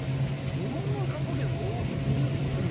日本の観光客もいるんですよね。